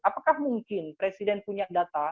apakah mungkin presiden punya data